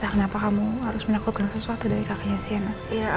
kenapa kamu harus menakutkan sesuatu dari kakaknya sienna